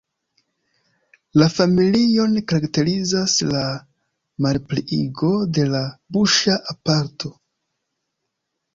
La familion karakterizas la malpliigo de la buŝa aparato.